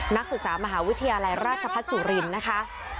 นักศึกษามหาวิทยาลัยราชพัฒน์สุรินทร์นะคะ